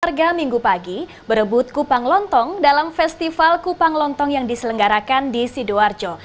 warga minggu pagi berebut kupang lontong dalam festival kupang lontong yang diselenggarakan di sidoarjo